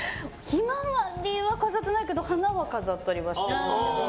ヒマワリは飾ってないけど花は飾ってありましたけど。